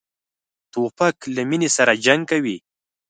توپک له مینې سره جنګ کوي.